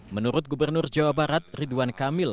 menurut gubernur jawa barat ridwan kamil